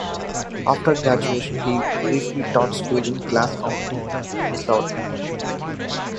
After graduation, he briefly taught school in Cass County, Missouri.